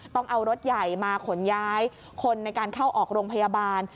ต้องเอารถใหญ่มาขนย้ายคนในการเข้าออกโรงพยาบาล